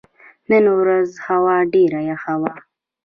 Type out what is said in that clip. نن ورځ هوا ډېره یخه وه.